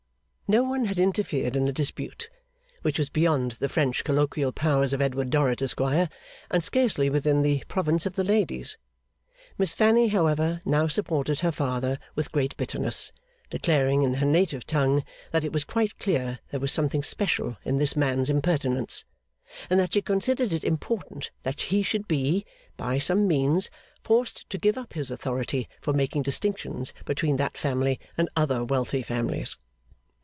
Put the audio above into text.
No one had interfered in the dispute, which was beyond the French colloquial powers of Edward Dorrit, Esquire, and scarcely within the province of the ladies. Miss Fanny, however, now supported her father with great bitterness; declaring, in her native tongue, that it was quite clear there was something special in this man's impertinence; and that she considered it important that he should be, by some means, forced to give up his authority for making distinctions between that family and other wealthy families.